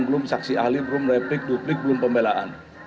belum saksi ahli belum replik duplik belum pembelaan